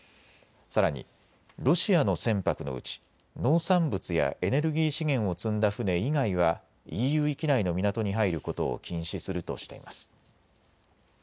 さらに、ロシアの船舶のうち農産物やエネルギー資源を積んだ船以外はＥＵ域内の港に入ることを禁止するとしています。